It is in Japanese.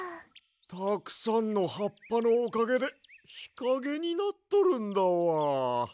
たくさんのはっぱのおかげでひかげになっとるんだわ。